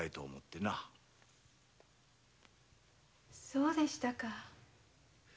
そうでしたか。